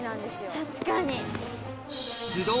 確かに。